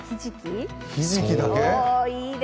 ひじきだけ？